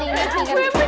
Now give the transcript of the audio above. ini ga baik